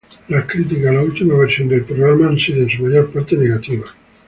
Las críticas a última versión de software han sido en su mayor parte negativas.